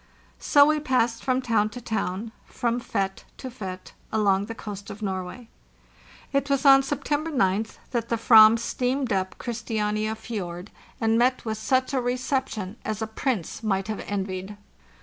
So we passed from town to town, from fete to fete, along the coast of Norway. It was on September gth that the "ram steamed up Christiania Fjord and met 590 FARTHEST NORTH with such a reception as a prince might have envied.